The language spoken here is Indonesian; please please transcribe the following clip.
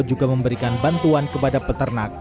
juga memberikan bantuan kepada peternak